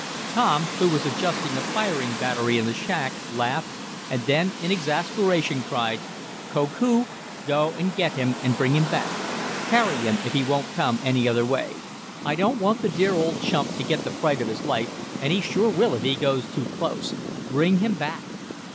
Tom, who was adjusting a firing battery in the shack, laughed, and then in exasperation cried: "Koku, go and get him and bring him back. Carry him if he won't come any other way. I don't want the dear old chump to get the fright of his life, and he sure will if he goes too close. Bring him back!"